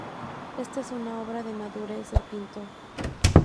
Esta es una obra de madurez del pintor.